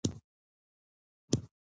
د قانون خلاف عمل لغوه کېدای شي.